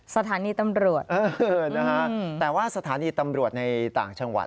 สถานีตำรวจนะครับแต่ว่าสถานีตำรวจในต่างชาวัด